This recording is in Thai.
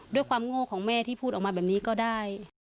ด้วยความโง่ของแม่ที่พูดออกมาแบบนี้ก็ได้